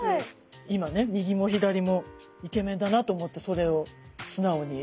今ね右も左もイケメンだなと思ってそれを素直に書いてみました。